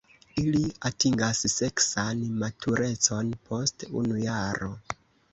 Ili atingas seksan maturecon post unu jaro.